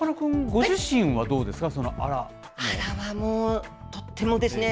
ご自身はどうですか？